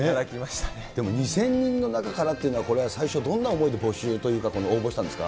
でも、２０００人の中からって、これは最初、どんな思いで募集というか、応募したんですか？